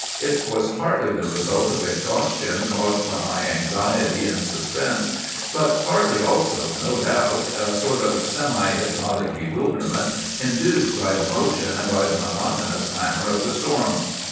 It was partly the result of exhaustion caused by my anxiety and suspense, but partly also, no doubt, a sort of semi hypnotic bewilderment induced by the motion and by the monotonous clamor of the storm.